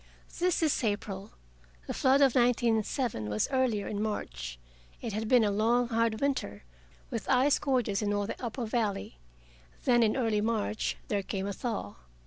This is April. The flood of 1907 was earlier, in March. It had been a long hard winter, with ice gorges in all the upper valley. Then, in early March, there came a thaw.